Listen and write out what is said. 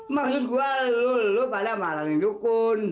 maksud gue lo pada maranin dukun